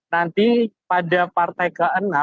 nanti pada partai ke enam